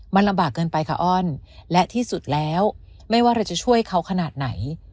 มันลำบากเกินไปค่ะอ้อนและที่สุดแล้วไม่ว่าเราจะช่วยเขาขนาดไหน